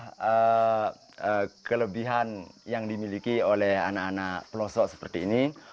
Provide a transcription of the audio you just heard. karena kelebihan yang dimiliki oleh anak anak pelosok seperti ini